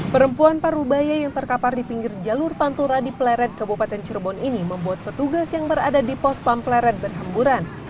perempuan paruh bayi yang terkapar di pinggir jalur pantura di plered kebupaten cirebon ini membuat petugas yang berada di pos pamplered berhamburan